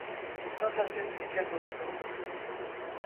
Santa Cecília do Sul